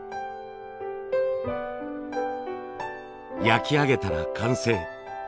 焼き上げたら完成。